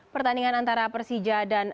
pertandingan antara persija dan